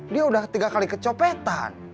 dia udah tiga kali kecopetan